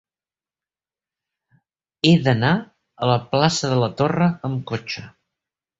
He d'anar a la plaça de la Torre amb cotxe.